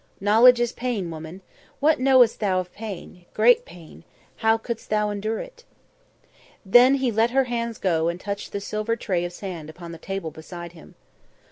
"Knowledge is pain, woman. What know'st thou of pain? Great pain. How could'st thou endure it?" Then he let her hands go and touched the silver tray of sand upon the table beside him.